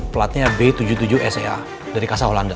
platnya b tujuh puluh tujuh sea dari kasa holanda